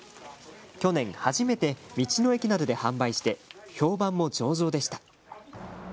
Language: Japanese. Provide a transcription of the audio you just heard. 去年、初めて道の駅などで販売して評判も上々でした。